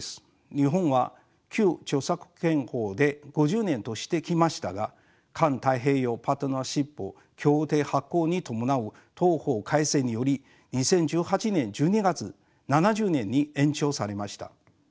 日本は旧著作権法で５０年としてきましたが環太平洋パートナーシップ協定発効に伴う同法改正により２０１８年１２月７０年に延長されました。